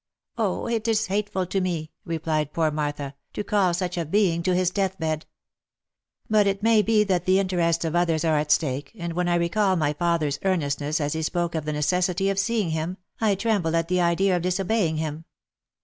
" Oh ! It is hateful to me," replied poor Martha, «f to call such a being to his deathbed ! But it may be that the interests of others are at stake, and when I recall my father's earnestness as he spoke of the necessity of seeing him, I tremble at the idea of disobeying him.